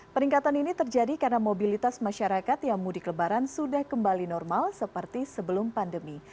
peningkatan ini terjadi karena mobilitas masyarakat yang mudik lebaran sudah kembali normal seperti sebelum pandemi